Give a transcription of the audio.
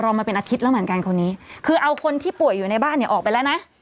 มาเป็นอาทิตย์แล้วเหมือนกันคนนี้คือเอาคนที่ป่วยอยู่ในบ้านเนี่ยออกไปแล้วนะ